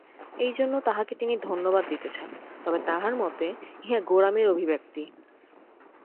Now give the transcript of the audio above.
এইজন্য তাঁহাকে তিনি ধন্যবাদ দিতেছেন, তবে তাঁহার মতে, ইহা গোঁড়ামির অভিব্যক্তি।